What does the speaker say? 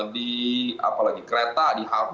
di apalagi kereta di halte